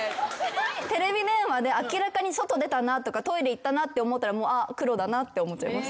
テレビ電話で明らかに外出たなとかトイレ行ったなって思ったら。って思っちゃいます。